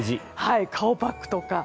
顔パックとか。